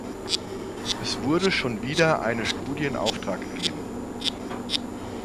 Es wurde schon wieder eine Studie in Auftrag gegeben.